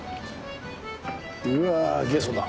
うわゲソだ。